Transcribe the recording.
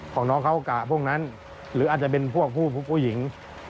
ของน้องเขากะพวกนั้นหรืออาจจะเป็นพวกผู้หญิง